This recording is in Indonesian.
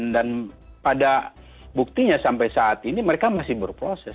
dan pada buktinya sampai saat ini mereka masih berproses